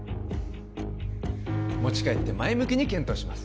持ち帰って前向きに検討します